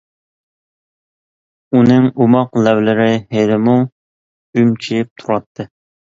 ئۇنىڭ ئوماق لەۋلىرى ھېلىمۇ ئۈمچىيىپ تۇراتتى.